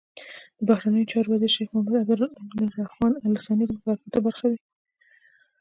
د بهرنیو چارو وزیر شیخ محمد بن عبدالرحمان ال ثاني د مذاکراتو برخه وي.